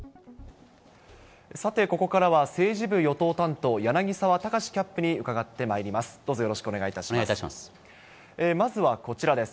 さて、ここからは政治部与党担当、柳沢高志キャップに伺ってまいります。